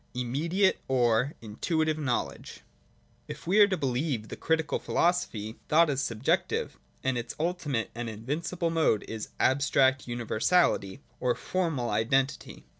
Immediate or Intuitive Knowledge. 61.] If we are to believe the Critical philosophy, thought is subjective, and its ultimate and invincible mode is abstract universality or formal identity.